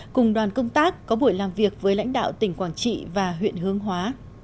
cùng đoàn công tác có buổi làm việc với lãnh đạo tỉnh quảng trị và huyện hương hóa